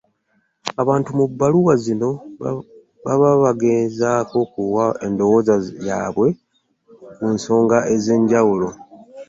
Abantu mu bbaluwa zino baba bagezaako okuwa endowooza yaabwe ku nsonga ezenjawulo.